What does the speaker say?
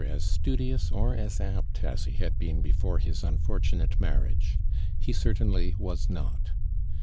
'IS studious or as apt as he liad been before liis unfortunate marriage. lie certainly was not.